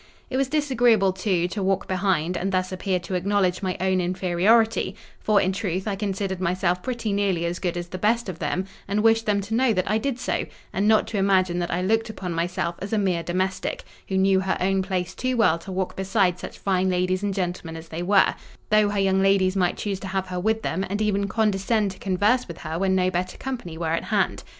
It was disagreeable, too, to walk behind, and thus appear to acknowledge my own inferiority; for, in truth, I considered myself pretty nearly as good as the best of them, and wished them to know that I did so, and not to imagine that I looked upon myself as a mere domestic, who knew her own place too well to walk beside such fine ladies and gentlemen as they were—though her young ladies might choose to have her with them, and even condescend to converse with her when no better company were at hand.